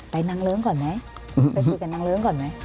นางเลิ้งก่อนไหมไปคุยกับนางเลิ้งก่อนไหม